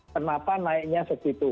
kenapa naiknya segitu